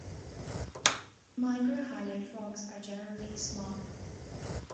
Microhylid frogs are generally small.